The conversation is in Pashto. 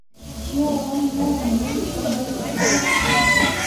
یو غم نه لا نه وي چي بل پر راسي